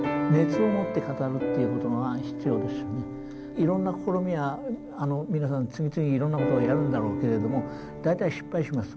いろんな試みは皆さん次々いろんな事をやるんだろうけれど大体失敗します。